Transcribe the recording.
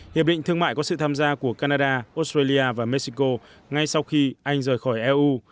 hiệp định thương mại có sự tham gia của canada australia và mexico ngay sau khi anh rời khỏi eu